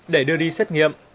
để đưa đi xét nghiệm